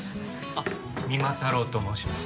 あっ三馬太郎と申します。